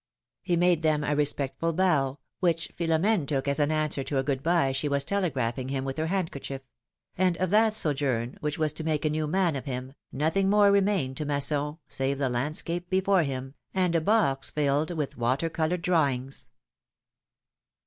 He made them a respectful bow, which Philom^ne took as an answer to a good bye she was telegraphing him with her handkerchief; and of that sojourn which was to make a new man of him, nothing more remained to Masson save the landscape before him, and a box filled with water colored drawings.